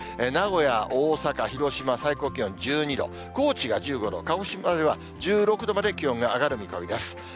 名古屋、大阪、広島、最高気温１２度、高知が１５度、鹿児島では１６度まで気温が上がる見込みです。